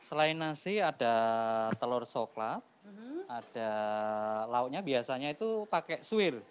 selain nasi ada telur coklat ada lauknya biasanya itu pakai suir